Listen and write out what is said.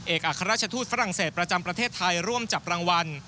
อัครราชทูตฝรั่งเศสประจำประเทศไทยร่วมจับรางวัล